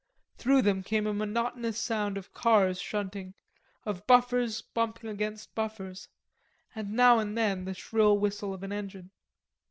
Through them came a monotonous sound of cars shunting, of buffers bumping against buffers, and now and then the shrill whistle of an engine.